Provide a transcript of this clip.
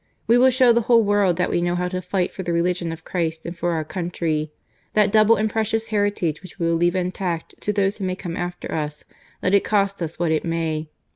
We will show the whole world that we know how to fight for the religion of Christ and for our country ; that double and precious heritage which we will leave intact to those who come after us, let it cost us what it may."